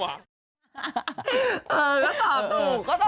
เออแล้วตอบถูก